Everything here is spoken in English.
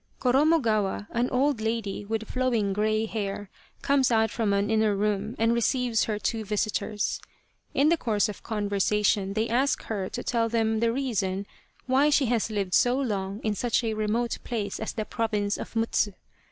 Koromogawa, an old lady with flowing grey hair, comes out from an inner room and receives her two visitors. In the course of conversation they ask her to tell them the reason why she has lived so long in such a remote place as the province of Mutsu.